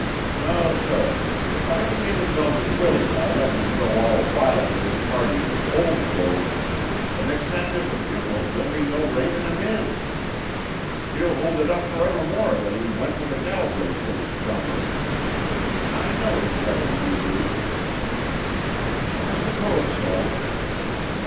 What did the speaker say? No, sir! If I begin indulgin' Willie by lettin' him go all wild to this party in his old clothes, the next time there's a funeral there'll be no reinin' him in. He'll hold it up forevermore that he went to the Galbraiths in his jumper. I know him better'n you do." "I suppose so."